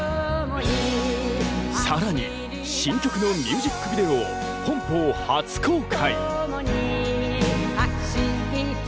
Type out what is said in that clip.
更に新曲のミュージックビデオを本邦初公開。